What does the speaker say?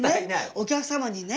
お客様にね